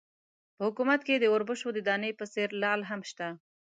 په حکومت کې د اوربشو د دانې په څېر لعل هم شته.